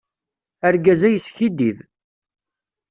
Argaz-a yeskiddib.